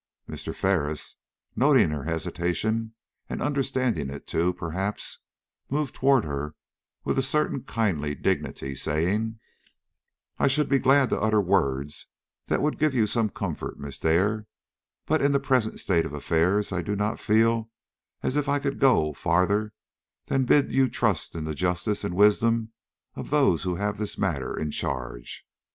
Mr. Ferris, noting her hesitation and understanding it too, perhaps, moved toward her with a certain kindly dignity, saying: "I should be glad to utter words that would give you some comfort, Miss Dare, but in the present state of affairs I do not feel as if I could go farther than bid you trust in the justice and wisdom of those who have this matter in charge.